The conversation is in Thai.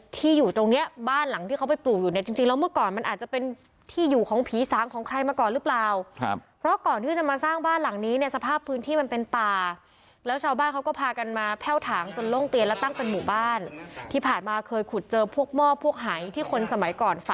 ที่อยู่ตรงเนี้ยบ้านหลังที่เขาไปปลูกอยู่เนี่ยจริงแล้วเมื่อก่อนมันอาจจะเป็นที่อยู่ของผีสางของใครมาก่อนหรือเปล่าครับเพราะก่อนที่จะมาสร้างบ้านหลังนี้เนี่ยสภาพพื้นที่มันเป็นป่าแล้วชาวบ้านเขาก็พากันมาแพ่วถางจนโล่งเตียนแล้วตั้งเป็นหมู่บ้านที่ผ่านมาเคยขุดเจอพวกหม้อพวกหายที่คนสมัยก่อนฝ